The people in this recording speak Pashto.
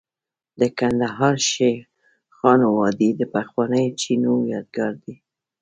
د کندهار شیخانو وادي د پخوانیو چینو یادګار دی